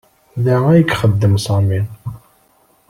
Da ay ixeddem Sami.